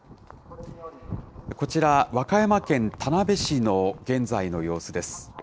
こちら、和歌山県田辺市の現在の様子です。